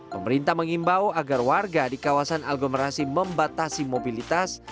pemerintah mengimbau agar warga di kawasan aglomerasi membatasi mobilitas